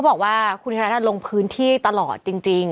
บอกว่าคุณธนทัศน์ลงพื้นที่ตลอดจริง